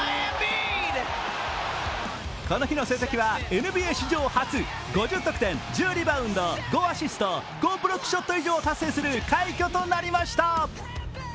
この日の成績はＮＢＡ史上初、５０得点、１０リバウンド、５アシスト、５ブロックショットを達成し、ＮＢＡ史上初の快挙となりました。